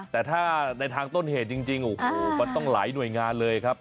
แต่ถ้าในทางต้นเหตุจริงโอ้โหมันต้องหลายหน่วยงานเลยครับ